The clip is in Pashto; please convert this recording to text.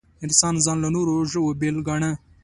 انسان ځان له نورو ژوو بېل ګاڼه.